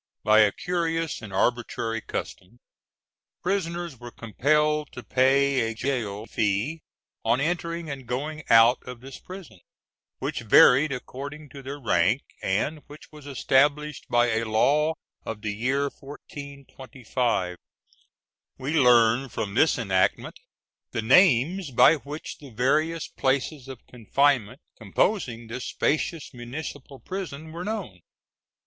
By a curious and arbitrary custom, prisoners were compelled to pay a gaol fee on entering and going out of this prison, which varied according to their rank, and which was established by a law of the year 1425. We learn from this enactment the names by which the various places of confinement composing this spacious municipal prison were known.